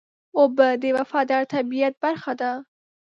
اوبه د وفادار طبیعت برخه ده.